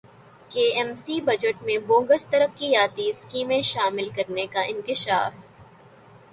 کے M C budget میں bogus ترقیاتی اسکیمیں شامل کرنیکا انکشاف